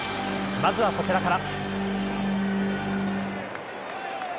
まずは、こちらから。